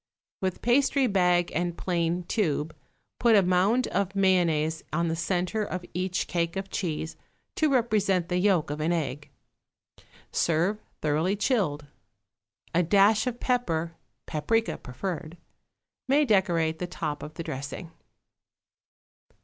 With pastry bag and plain tube put a mound of mayonnaise on the centre of each cake of cheese, to represent the yolk of an egg. Serve thoroughly chilled. A dash of pepper (paprica preferred) may decorate the top of the dressing.